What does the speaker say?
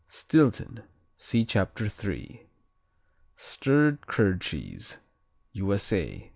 Stilton see Chapter 3. Stirred curd cheese _U.S.A.